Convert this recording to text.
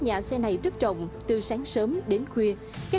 lần nào chứ đi cũng thế